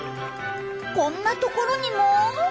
こんなところにも！？